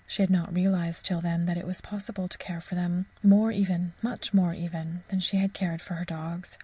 She had not realized till then that it was possible to care for them more even much more even than she had cared for her dogs.